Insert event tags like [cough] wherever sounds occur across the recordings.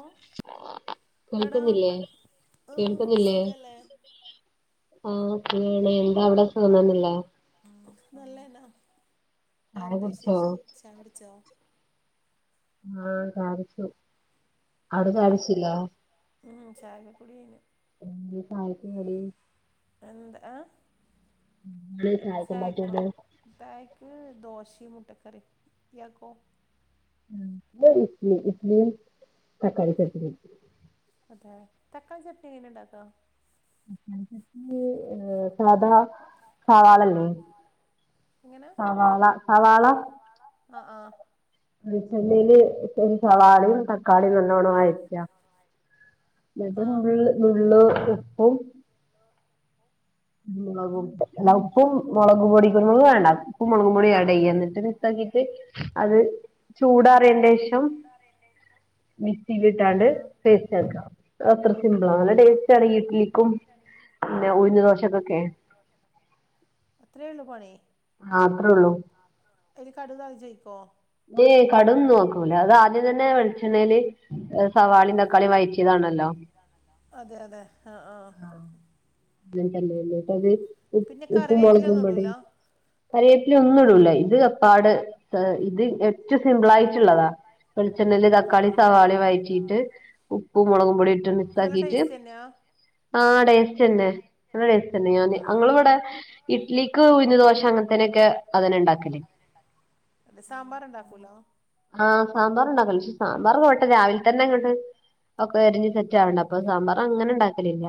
ഓ എടാ കേൾക്കുന്നില്ലേ ആ കേൾക്കുന്നില്ലേ സുഖല്ലേ ആ സുഗാണ് എന്താ അവിടെ സുഖം തന്നെയല്ലേ നല്ലന്നെ ചായ വേറെന്താ കുടിച്ചോ വിശേഷം ചായ കുടിച്ചോ ആഹ് ചായ കുടിച്ചു അവിടെ ഏ ചായ കുടിച്ചില്ലേ ഉം ചായക്കെ കുടി കഴിഞ്ഞു എന്താ ചായക്ക് കടി എന്ത ആഹ് എന്തേനി ചായക്ക് ഉണ്ടാക്കിയത് ചായക്ക് ദോശയും മുട്ടക്കറിം ഇയാക്കോ ഇവടെ ഇഡലി ഇഡലിൻ തക്കാളി ചട്ടിനിം അതെ തക്കാളി ചട്നി എങ്ങനെ ഉണ്ടാക്ക തക്കാളി ചട്ണി സാധാ സവാള ല്ലെ എങ്ങനെ സവാള സവാള ആഹ ആഹ വെളിച്ചെണ്ണയിൽ ഒരു സവാളയും പ ക്കാളി നല്ലോണം വയറ്റ ഇന്നട്ട് ആ നുള്ള് നുള്ള് ഉപ്പും ആഹ് മുളകും എല്ലാ ആ ഉപ്പും മുളക് പൊടികൾ വേണ്ട ഉപ്പും മുളക് പൊടിം ആഡ് ചെയ്യാ എന്നിട്ട് മിക്സാക്കിട്ട് അത് ചൂടാറിയതിന്റെ ശേഷം മിക്സിക്ക് ഇട്ടാണ്ട് ആ പേസ്റ്റ് ആക്കാ അത് അത്ര സിമ്പിളാ നല്ല ആ ടേസ്റ്റ് ആണ് ഈ ഇഡലിക്കും പിന്നെ ഉഴുന്ന് ദോശക്കൊക്കെ അത്രേ ഒള്ളു പണി ആ അത്ര ഉള്ളൂ അതിൽ കടുക് താളിച്ചൊയിക്കോ ല്ലെ കടുകൊന്നും ഒഴിക്കൂല അത് ആദ്യം തന്നെ വെളിച്ചെണ്ണേൽ സവാളി തക്കാളി വായറ്റിയതാണല്ലോ അതെ അതെ ആഹ ആഹ അങ്ങ തന്നെല്ലേ ഇട്ടത് ഉപ്പ് ഉപ്പും കറിവേപ്പില ഒന്നും മുളകുംപൊടിം ഇടൂല കറിവേപ്പില ഒന്നും ഇടൂല ഇത് അപ്പാട് ഇത് ഏറ്റവും സിംപിൾ ആയിട്ടുള്ളതാ വെളിച്ചെണ്ണയിൽ തക്കാളി എന്നിട്ട് സവാളി വഴറ്റിട്ട് ഉപ്പും മുളകും പൊടി ഇട്ട് മിക്സാക്കിയിട്ട് ടേസ്റ്റേന്നെ ആ ടെസ്റ്റ്ന്നെ നല്ല ടേസ്റ്റന്നെ ഞാൻ ഞങ്ങൾ ഇവിടെ ഇഡലിക്ക് ഉഴുന്ന്ദോശ അങ്ങനത്തേനൊക്കെ അതന്നെ ഉണ്ടാക്കല് സാമ്പാർ ഉണ്ടാക്കൂല്ല ആഹ് സാമ്പാർ ഉണ്ടാക്കും പക്ഷെ സാമ്പാർ പോയിട്ട് രാവിലെ തന്നെ അങ്ങോട്ട് ഒക്കെ എരിഞ്ഞ് സെറ്റാവണ്ടേ അപ്പൊ സാമ്പാർ അങ്ങനെ ഉണ്ടാക്കലില്ല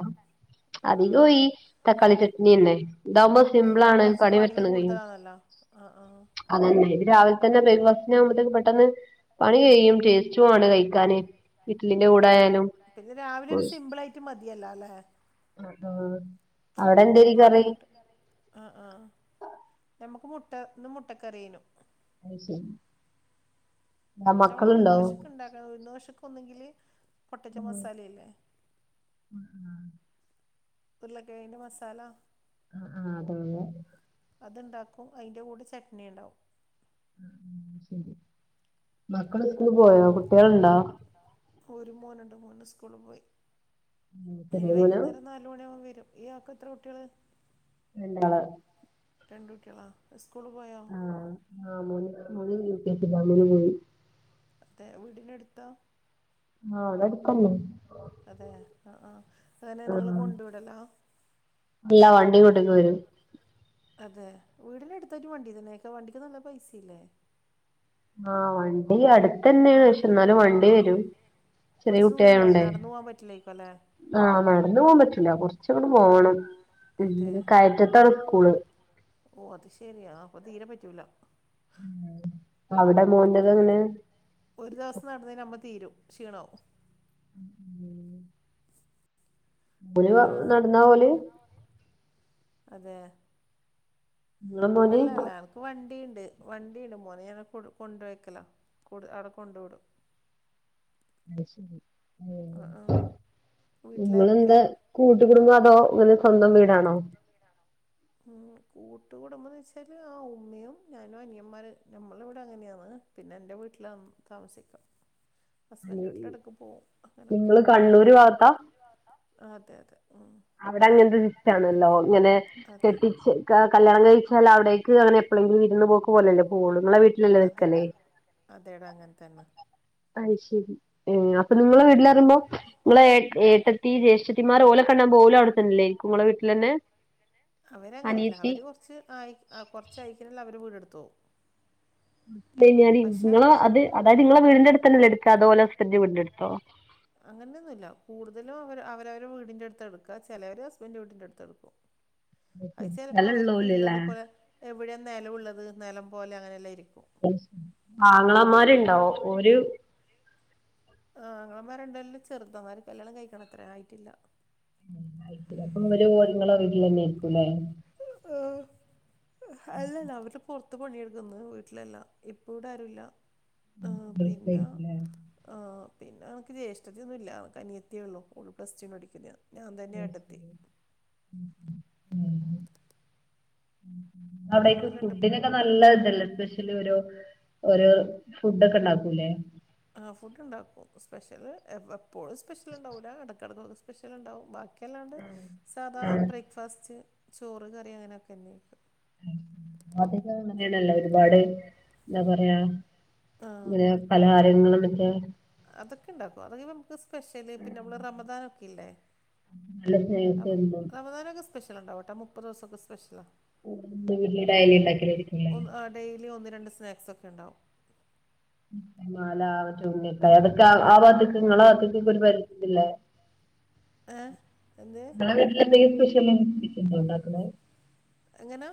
അധികും ആഹ് ഈ തക്കാളി ചട്നിന്നെ ഇതാവുമ്പോൾ സിമ്പിളാണ് പണി പെട്ടൊന്ന് കഴിയും ആഹ ആഹ അതന്നെ ഇത് രാവിലെ തന്നെ ബ്രേക്ക്ഫാസ്റ്റിന ആകുമ്പഴത്തേക്ക് പെട്ടെന്ന് പണി കഴിയും ടേസ്റ്റു ആണ് കഴി ക്കാൻ ഇഡലിന്റെ കൂടെ ആഹ് ആയാലും ആഹ് പിന്നെ രാവിലെ ദോ ഒരു സിമ്പിളായിട്ട് മതിയല്ലോ അല്ലേ അവിടെ എന്തായിരിക്കും ഒരുപാട് കറി? അങ്ങട്ട് ആഹ്! ആഹ്! നമുക്ക് മുട്ട ഇന്ന് മുട്ടക്കറിയേനും. ശരി! ആ നമ്മൾ ഉഴുന്ന് മക്കളുണ്ടോ ദോശക്കെ ഉണ്ടാക്കണത്. ഉഴുന്ന് ദോശക്ക് ഒന്നെങ്കില് പൊട്ടറ്റോ മസാല ഇല്ലേ! ഉം! ഉരുളക്കിഴങ്ങ് മസാല! ആഹ്! അതന്നെ! അതുണ്ടാക്കും. അതിൻ്റെ കൂടെ ചട്നി ഉണ്ടാവും. മക്കള് സ്കൂളിൽ പോയോ? കുട്ടികളുണ്ടോ? ഒരു മോനൊണ്ട് മോൻ്റെ സ്കൂളിൽ പോയി. ഇനി ചെറിയ മോനാ വൈകുന്നേരം നാല് മണിയാകുമ്പോൾ വരും. ഈയാക്ക് എത്ര കുട്ടികള്? രണ്ടാള്! രണ്ടു കുട്ടികളാ. സ്കൂളിൽ പോയോ? [unintelligible] അതെ! വീടിനടുത്ത! ആഹ്! അതടുത്തല്ലെ? അതെ ആഹ് ആഹ് അങ്ങനെ ആ നിങ്ങള് കൊണ്ടു വിടല്ലോ! അല്ല വണ്ടി ഇങ്ങോട്ട് കൊണ്ടുവരും. അതെ! വീടിനടുത്തൊരു വണ്ടി തന്നെ! വണ്ടിക്ക് നല്ല പൈസയില്ലേ? ആഹ്! വണ്ടി അടുത്തുതന്നെ യാണ്. പക്ഷെ എന്നാലും വണ്ടി വരും. ചെറിയ കുറച്ച് ദൂരം ഉണ്ടാവില്ലെ? കുട്ടിയായോണ്ടേ നടന്നു പോകാൻ പറ്റില്ലായിക്കും അല്ലേ? ആഹ്! നടന്ന് പോകാൻ പറ്റൂല്ല. കുറച്ചങ്ങടെ പോണം. അതെ കയറ്റത്താണ് സ്കൂള്. ഓ അത് ശരിയാ! അപ്പൊ തീരെ പറ്റൂല. അവിടെ മോൻ്റെതെങ്ങനാ? ഒരു ദിവസം നടന്നതിന് നമ്മൾ തീരും. ക്ഷീണവും. [unintelligible] ആ ആ [unintelligible] നടന്ന ഓല് അതെയോ? ഇങ്ങളെ മോന് [unintelligible] വണ്ടിയുണ്ട് വണ്ടിയുണ്ട്. മോനെ ഞാനെ കൊ കൊണ്ടാക്കലാ. അവിടെ കൊണ്ടു വിടും. [unintelligible] ആഹ്! ആഹ്! നിങ്ങെള്‌ടെ കൂട്ടുകുടുംബം അതോ ഇങ്ങനെ സ്വന്തം വീടാണോ? ഉം! കൂട്ടുകുടുംബംന്ന് വെച്ചാല് ആഹ് ഉമ്മയും ഞാനും അനിയന്മാര് ഞമ്മളെ ഇവിടെ അങ്ങനെയാന്ന്. പിന്നെ എൻ്റെ വീട്ടിൽന്ന് താമസിക്കാം. ഹസ്ബൻ് വീട്ടിലിടയ്ക്ക് പോകും. നിങ്ങള് കണ്ണൂര് ഭാഗത്താ? അതെ! അതെ! ഉം അവിടെ അങ്ങനത്തെ വിസിറ്റാണല്ലോ. ഇങ്ങനെ അതെ കെട്ടിച്ച്! കല്യാണം കഴിച്ചാൽ അവിടേക്ക് അങ്ങനെ എപ്പോളങ്കിലും വിരുന്ന് പോക്ക് പോലല്ലേ പോവുള്ളു. നിങ്ങളെ വീട്ടിലല്ലേ നിൽക്കല്. അതേടാ അതേടാ അങ്ങിനെ തന്നെ! അത് ശരി. അപ്പൊ നിങ്ങടെ വീട്ടിലാരുണ്ട്. നിങ്ങളെ ഏ ഏട്ടത്തി ജേഷ്ഠത്തിമാർ ഓലെ കാണാൻ പോവൂലെ അവിടെ തന്നല്ലെ! നിങ്ങടെ വീട്ടിൽ തന്നെ അവരങ്ങനെയല്ല അവര് കൊറച്ച് ആയി കൊറച്ചയക്കല് അവര് വീടെടുത്ത് പോവും. പിന്നെ ഞാനീ പക്ഷെ നിങ്ങളെ അത് അതായത് നിങ്ങളെ വീടിന്റെ അടുത്തന്നെല്ല എടുക്കാ അതുപോലെ ഹസ്ബൻഡിന്റെ വീടിന്റെ അടുത്തോ? അങ്ങനെയൊന്നുമില്ല. കൂടുതലും അവരവരു വീടിന്റെ അടുത്താ എടുക്കുക. ചിലവര് ഹസ്ബൻഡിൻ്റെ വീടിന്റെ അടുത്ത് എടുക്കും. [inaudible] പൈസ ചിലപ്പോ അവർക്ക്ള്ളതു സ്ഥലള്ളോലല്ലേ പോലെ എവിടെ നിലം ഉള്ളത് നിലം പോലെ അങ്ങനെല്ലാം ഇരിക്കും. ആങ്ങളമാരുണ്ടോ? ഒരു! ആഹ് ആങ്ങളമാര് രണ്ടു പേരിലും ചെറുത. അവര് കല്യാണം കഴിക്കാനത്രയും ആയിട്ടില്ല. [unintelligible] [unintelligible] അല്ലല്ല അവര് പൊർ [unintelligible] വീട്ട്ലല്ല. ഇപ്പ ഇവിടെ ആരുല്ല. ആഹ് പിന്നെ, ആഹ് പിന്നെ അവൾക്ക് ജേഷ്ടത്തി യൊന്നു ഇല്ല. അവൾക്ക് അനിയത്തി ഒള്ളൂ. ഓള് പ്ലസ് ടു പഠിക്ക്ന്നയ. ഞാൻ തന്നെ ഏട്ടത്തി. ഉം അവിടെക്ക് നമ്മള് രണ്ട് ഫുഡ്ന് നല്ല ഇതല്ലേ സ്പെഷ്ല് ഓരോ ഓരോ ഫുഡ് ഒക്ക ഇണ്ടാക്കൂല്ലേ. ആഹ് ഫുഡ്ണ്ടാക്കും സ്പെഷ്യല് എപ്പോളും സ്പെഷ്യൽ ഇണ്ടാവൂല. എടക്കെടക്ക് സ്പെഷ്യൽ ഇണ്ടാവും. ബാക്കി, എല്ലാണ്ടെ സാധാ ബ്രേക്ക്ഫാസ്റ്റ്, ചോറ്, കറി അങ്ങനെയൊക്കന്നെ. ഇന്നാ പിന്നെ അങ്ങനെയാണല്ലോ ഒരുപാട് എന്താ പറയാ ആഹ് ലേ പലഹാരങ്ങളും മറ്റേ അതൊക്കെ ഇണ്ടാക്ക് അതെക്കെ നമക്ക് സ്പെഷ്യല് പിന്നെ നമ്മൾ റമദാനൊക്കെ ഇല്ലേ നല്ല റെ സ്നാക്സ് റെമദാനൊക്കെ സ്പെഷ്യൽ ഇ ണ്ടാവ്ട്ടോ മുപ്പത് ദിവസൊക്കെ സ്പെഷ്യലാ [unintelligible] വീട്ല് ഡയലിണ്ടാക്ക്യതായിരിക്കുംല്ലേ ഒന്ന് ഡെയിലി ഒന്ന് രണ്ട് സ്നാക്സ് ഒക്കെണ്ടാവും. [unintelligible] നാലാമത്തെ [unintelligible] അതൊക്കെ ആ ആഭാത്ത്ക്ക് ഇങ്ങളെ വാത്ത്ക്ക് ഒക്കെ ഒര് പരിധില്ലേ ഏഹ്, എന്ത്? ഇന്നെന്തേം സ്പെഷ്യല് [unintelligible] ണ്ടാക്ക്ന്നെ. എങ്ങനാ.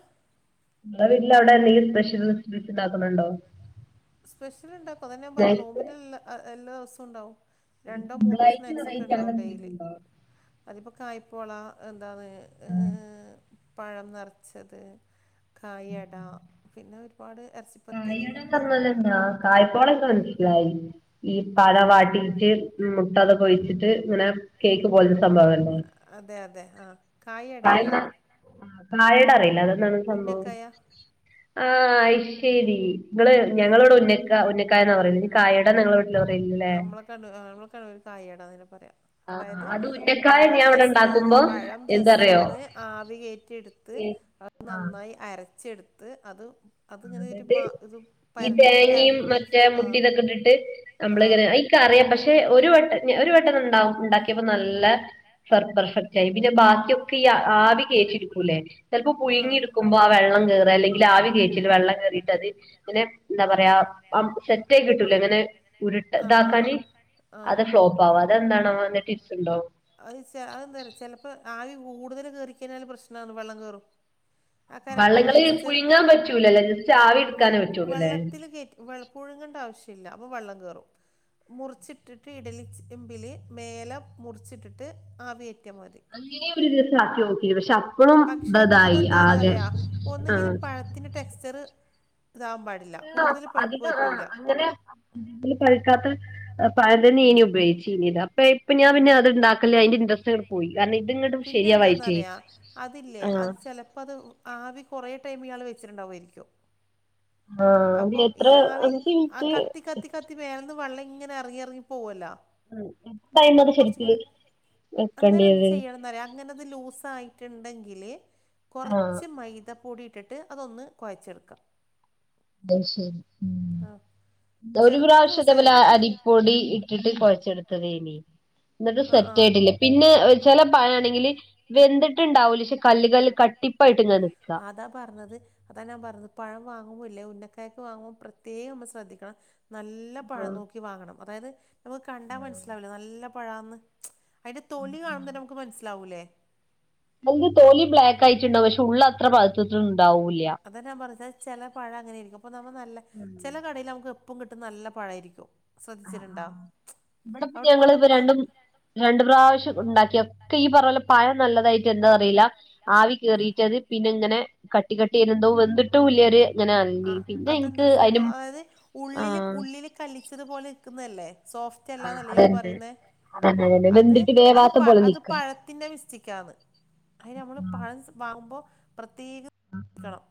ഇങ്ങളെ വീട്ടില് അവിടെ എന്തെങ്കിലും സ്പെഷ്യൽ റെസിപ്പീസ് ണ്ടാക്ക്ണ് ണ്ടോ? സ്പെഷ്യൽ എന്താപ്പോ അതന്നെ ഞാൻ പറഞ്ഞെ നോമ്പ്ന്റെ എല്ലാ ദിവസവും ഇണ്ടാവും. രണ്ടോ സിമ്പിൾ മൂന്നോ ആയിട്ട് വെറൈറ്റി അങ്ങനെ സ്നാക്സൊക്കെണ്ടാവും എന്തെങ്കിലും ഡെയിലി. ഉണ്ടോ അതിപ്പോ കായ്പോള എന്താന്ന് അ് പഴം നെറച്ചത്, കായ് യട പിന്നെ ഒര്പാട് എർച്ചിപ്പത്തിരി [unintelligible] [unintelligible] കായ് പോളൻക്ക് മൻസ് ലായി. ഈ പഴ വാട്ടീട്ട് ഉം മുട്ടതൊക്കൊഴിച്ചിട്ട് ങ്ങനെ കേക്ക് പോലതെ സംഭവല്ലെ. അതെ, അതെ. ആഹ് കായ് യട അറിയോ? ആഹ്, കായ് അട അറിയില്ല. അതെന്താണ് സംഭവം? ഉന്നക്കായ ആഹ് അയ്ശെരി. ഇങ്ങള് ഞങ്ങളവടെ ഉന്നക്ക ഉന്നക്കായാന്നാ പറയല്. [unintelligible] കായ അട നിങ്ങള വീട്ട്ല് പറയല് ല്ലെ. [unintelligible] നങ്ങളൊക്കെതിന് കായ് അടാന്നെന്നെ പറിയാ. ആഹ് അതായത് അത് ഉന്നക്കായ ഞാൻ പഴം ഇവിടെ ജെസ്റ്റ് ഉണ്ടാക്കുമ്പോ പഴം ജെസ്റ്റ് എന്താറിയോ ഒന്ന് ആവികേറ്റിട്ത്ത് അ ആഹ് നന്നായി അരച്ചെട്ത്ത് അത് അത്ങ്ങനെ ഒര് എന്നിട്ട് മാ [unintelligible] ഈ തേങ്ങെയും അതിൻ്റെ ഉള്ളിൽ മറ്റേ ആഹ് മുട്ടിതൊക്കെ ട്ട് ട്ട് ആഹ് അമ്പ്ള്ങ്ങനെ അയ്ക്കറിയാ പഷെ ഒരു വട്ട [unintelligible] ഒര് വട്ടംണ്ടാവു ണ്ടാക്കിയപ്പ നല്ല ഫെർ പെർഫെക്റ്റായി. പിന്നെ ബാക്കിയൊക്കെ ഈ ആ ആവി കേറ്റി ഇട് ടൂലെ, ചെൽപ്പ ആഹ് പുഴുങ്ങിട്ക്കുമ്പൊ ആ വെള്ളം കേറ അല്ലെങ്കില് ആവി കേറ്റില് വെള്ളം കേറീട്ട് അത് ഇങ്ങനെ ന്താ പറയാ അം സെറ്റായി കിട്ടൂലെങ്ങനെ ഉരുട്ട ആഹ് ആഹ് താക്കാന്. ആഹ് അത് ഫ്ലോപ്പാവ. അതെന്താണാവോ ന്തേ ടിപ്സ്ണ്ടോ? അഹ്ച്ച അഅ് ന്താറിയോ ചെലപ്പ ആവി കൂടുതല് കേറിക്കയ്ഞ്ഞാല് പ്രശ്നാന്ന് വെള്ളം കേറും. ആ കറക്റ്റ് ആ വള്ളങ്ങള് ടെക്സ്ചറ് പുഴുങ്ങാൻ വെള്ളത്തില് പറ്റൂലല്ലേ ജസ്റ്റ് ആവി പുഴുങ്ങാൻ പറ്റൂലലേ എടുക്കാനേ [inaudible] പറ്റുള്ളൂല്ലേ വെള്ളത്തില് ക്കേറ്റ് വെള പുഴുങ്ങണ്ട ആവശ്യല്ല, അപ്പം വെള്ളം കേറും. മുറിച്ചിട്ട്ട്ട് ഇഡ്ഡലി ചെമ്പില് മേല മുർച്ചിട്ട്ട്ട് ആവികേറ്റ്യാമതി. ഇനി ഒരു ദിവസം ആക്കി നോക്കി പക്ഷെ അപ്പഴും [inaudible] പക്ഷാ ഇതായി ആകെ അതെന്താന്നറിയാ ഒന്നെങ്കില് ആഹ് പഴത്തിന് ടെക്സ്ചറ്. ഇതാവും പാ [unintelligible] അതിന് അങ്ങനെ ഒന്ന് പഴ്ക്കാത്ത ഏ പഴം തന്നേനി ഉപയോഗിച്ച് പിന്നീട് അപ്പ ഇപ്പ ഞാപിന്നെ അത് ണ്ടാക്കല് അയിന്റെ ഇൻട്രസ്റ്റങ്ങട്ട് പോയി. കാര്ണം ഇത്ങ്ങട്ട് പിന്നെ ശെരിയാവായിട്ടെ. എന്താന്നറിയാ അതില്ലേ അത് ചെലപ്പത് ആവി കെറേ ടൈമ് ഇയാള് വെച്ചിട്ടുണ്ടാവു ആയിരിക്കും. ആഹ് അത് അപ്പം എത്ര ഈ ആവി അഞ്ച് ആഹ് മിനിറ്റ് കത്തി കത്തി കത്തി മേലന്ന് വെള്ളം ഇങ്ങനെ എറങ്ങി എറങ്ങി പോവല്ലാ. ടൈം അപ്പം അത് ശരിക്ക് കൊർച്ചുംകൂടി അന്നേരം എന്ത് വെക്കേണ്ടിയത് ചെയ്യണന്നറിയാ അങ്ങനെത് ലൂസായിട്ട്ണ്ടെങ്കില് ആഹ് കൊറച്ച് മൈദ പൊടി ഇട്ടി ട്ട് അതൊന്ന് കൊയച്ചെടുക്ക. ദ ശെരി ഉം ആ ദ ഒരു ചെറുങ്ങനെ പ്രാവശ്യദെ ലൂസായേ പോലാ അരി പൊടി ഇട്ടിട്ട് കൊഴച്ചെട്ത്തതേനി. എന്ന്ട്ട് ആ ആ അത് സെറ്റായിട്ടില്ല. പിന്നേ ചെല പഴാണെങ്കില് വെന്ത്ട്ട്ണ്ടാവൂല ഷെ കല്ല് കല്ല് കട്ടി കട്ടിപ്പായിട്ട് [unintelligible] അതാ പർഞ്ഞത്. അതാ ഞാപറഞ്ഞത് പഴം വാങ്ങുമ്പോ ഇല്ലേ ഉന്നക്കായക്ക് വാങ്ങുമ്പോ പ്രത്യേകമ്മൾ ശ്രദ്ധിക്കണം. നല്ല പഴം നോക്കി വാങ്ങണം. അതായത് നമുക്ക് കണ്ടാ മൻസ്ലാവ്‌ലെ നല്ല പഴാന്ന്. അയിന്റെ തൊലി കാണുമ്പെന്നെമുക്ക് മൻസ്സ്ലാവൂല്ലേ. അതിൻ്റെ തോലി ബ്ലാക്കായിട്ട്ണ്ടാവും, പഷെ ഉള്ളത്ര പഴ്ത്ത്ട്ട്ണ്ടാവൂല്യ. അത ഞാൻ പറഞ്ഞെ, ചെല പഴ അങ്ങനെയിരിക്കും. അപ്പൊ നമ്മ നല്ലെ ചെലെ ആഹ് കടേല് അമുക്ക് എപ്പും കിട്ടും നല്ല പഴായിരിക്കും. ശ്രദ്ധിച്ചിട്ട്ണ്ടാ? ആഹ് ഇവിടെ ഇപ്പ അവ്ടെ ഞങ്ങള് ഇപ്പ പോണ്ടക്ക്ന്നത്. രണ്ടും രണ്ട് പ്രാവശ്യംണ്ടാക്കി ഒക്കെ ഈയ് പർഞ്ഞപോലെ പഴം നല്ലതായിട്ട്ന്താ അറീലാ ആവി കേറീട്ടത് പിന്നെങ്ങനെ കട്ടി കട്ടി ആയ് [unintelligible] ന്തോ വെന്ത് ആഹ് അതെന്താ സംഭവം അതിനും അതായത് ഉള്ളില് ആഹ് ഉള്ളില്. കലിച്ചതുപലെ നിക്കുന്നല്ലേ സോഫ് റ്റല്ലാനെല്ലേ ഇയാൾ അതന്നെ പറയുന്നേ അതന്നെ അതന്നെ അത് വെന്തിട്ട് അത് വേവാത്ത പ പോലെ അത് നിക്കാ പഴ ത്തിൻ്റെ വിസ്റ്റിക്കാന്ന് അത് നമ്മള് പഴം വാങ്ങുമ്പോൾ പ്രത്യേകം ക്കണം.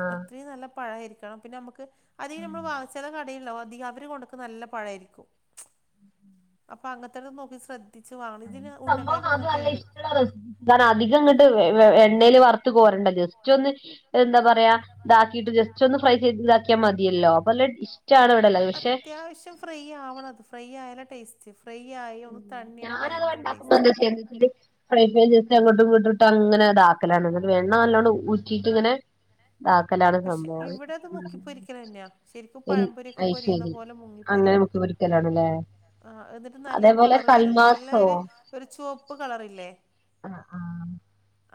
ആഹ് അത്രയും നല്ല പഴായിരിക്കണം പിന്നെ നമുക്ക് അധികം നമ്മൾ വാ [unintelligible] [unintelligible] അധികം അവര് കൊട്ക്ക്ന്ന നല്ല പഴാരിക്കും അപ്പൊ അങ്ങനത്തെ നോക്കി സ്രദ്ധി ത്തിച്ച് വാണ് ഇതിന് ഉന്നക്കായക്ക അങ്ങൻത്തിണ്ട്. ൻ അധികം ഇങ്ങണ്ട് എണ്ണില് വറുത് കോരണ്ട ജസ്റ്റ് ഒന്ന് എന്താ പറയാ ഇതാക്കിട്ട് ജസ്റ്റ് ഒന്ന് ഫ്രൈ ചെയ്ത വിക്കാ മതിയല്ലോ വല്ല അത് ഇഷ്ട്ടാണ് ഇവിടെള്ളത് പക്ഷെ. അത്യാവശ്യം ഫ്രൈ ആവണത് ഫ്രൈ ആയാല ടേസ് ഞാനത് ഉണ്ടാകുമ്പോ ടേസ്റ്റ് എന്താ ചെയ്യാനെച്ചാല് ഫ്രെപേൻ ചേ അങ്ങോട്ടും ഇങ്ങോട്ടിട്ട് അങ്ങനെ അതാക്കലാണ്ഇന്നിട്ട് എണ്ണ നല്ലോണം ഉറ്റിട്ട് ഇങ്ങനെ. ഇതാക്കലാണ് പക്ഷെ സംഭവം ഇവിടെത് പൊക്കി പൊരിക്കലന്നെയാ ശരിക്കും പഴംപൊരിഒക്കെ അയ് പൊരിയുന്ന ശരി പോലെ അങ്ങനെ മുങ്ങിപൊരിയണം. മുക്കി പൊരിക്കലാണല്ലേ ആഹ് അത് ത് നല്ല അതേപോലെ കളർ വരും നല്ല കൽമാസോ ഒരു ചുവപ്പ് കളർല്ലേ. ആഹ് ആഹ്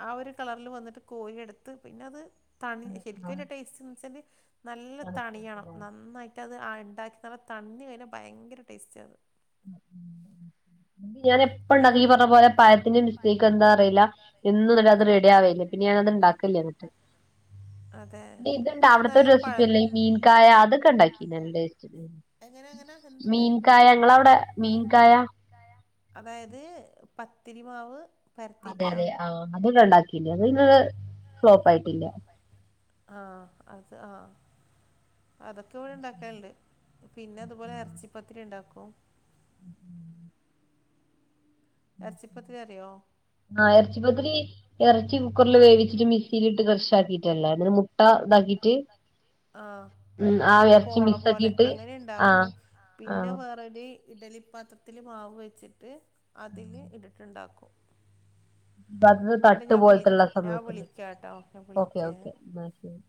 ആഹ് ഒരു കളറില് വന്നിട്ട് കോരിയെടുത്ത് പിന്നെ അത് തണി ശരിക്കുംഒര് ടേസ്റ്റ്ന്ന് വെച്ചാല്. നല്ല തണിയണം ആഹ് നന്നായിട്ട് അത് ഉണ്ടാക്കി നല്ല തണിഞ് കഴിഞ്ഞാൽ ഭയങ്കര ടേസ്റ്റ് അത്. ഉ ഉ ഉ ഉം. ഞാൻ എപ്പഴ എങ്ങനാ ഉണ്ടാക്കി ഈ പറഞ്ഞ പോലെ പായത്തിന്റെ മിസ്റ്റേക്ക് എന്താ അറില എന്നുംല്ല അത് റെഡി ആവലില്ല പിന്നെ ഞാനത്ണ്ടാക്ക കില്ലന്നിട്ട് അതെ ഇതുണ്ടോ അത് അവിട്ത്തെ നല്ല റസ് പഴ തില്ലെ ഈ മീൻകായ അതൊക്കെ ഉണ്ടാക്കിനി നല്ല ടേസ്റ്റ്ണ്ട് എങ്ങനെ എങ്ങനെ എന്തെന്ന് മീൻകായ ഇങ്ങളവ് ടെ മീൻകായാ അതായത് പത്തിരിമാവ്. അതെ അതെ ആഹ് അത് ഇവടെ ഉണ്ടാക്കിണ്ട് അത് ഇവടെ ഫ്ലോപ്പ് ആയിട്ടില്ല. ആഹ് അത് ആഹ് അതൊക്കെ ഇവിടെ ഉണ്ടാക്കൽണ്ട് പിന്നെ അതുപോലെ ഇറച്ചിപ്പത്തിരി ഉണ്ടാക്കും. ഉം. ഇറച്ചിപ്പത്തിരി അറിയോ. ആഹ് ഇറച്ചിപ്പത്തിരി ഇറച്ചി കുക്കറിൽ വേവിച്ചിട്ട് മിസ്സിയിലിട്ട് ക്രഷ് ആക്കിയിട്ടല്ലെ ഇന്നിട്ട് മു ട്ട ഇതാ ആഹ് ണ്ടാക്കി ആഹ് ആ ഒരു ഇറച്ചി പോള മിക്സ് പോലെ ആക്കിയിട്ട് അങ്ങനെ ഉണ്ടാക്കും ആഹ് പിന്നെ ആഹ് വേ അതായത് ഇഡലി പാത്രത്തിൽ മാവ് വെച്ചിട്ട് അതിൽ ഇട്ടട്ടുണ്ടാക്കും. ത് തട്ട് ഞാൻ വിളി പോലത്ത്ള്ള ഞാൻ സംഭവത്തില് വിളിക്കാട്ടോ ഞാൻ ഓക്കെ വിളിക്കേ ഓക്കെ എന്ന ശരി.